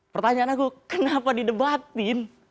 pertanyaan aku kenapa didebati